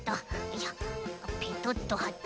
ペトッとはって。